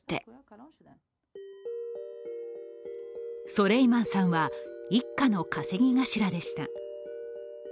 ソレイマンさんは一家の稼ぎ頭でした。